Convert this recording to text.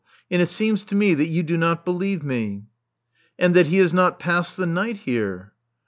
And it seems to me that you do not believe me." And that he has not passed the night here."